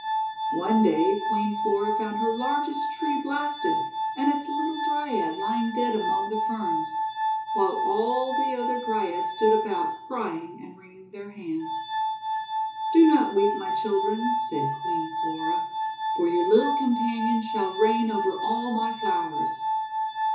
One day Queen Flora found her largest tree blasted, and its little Dryad lying dead among the ferns; while all the other Dryads stood about, crying and wringing their hands. 14 Do not weep, my children," said Queen Flora, "for your little companion shall reign over all my flowers."